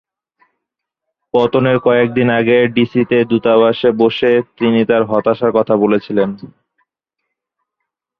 পতনের কয়েক দিন আগে ডিসিতে দূতাবাসে বসে, তিনি তার হতাশার কথা বলেছিলেন।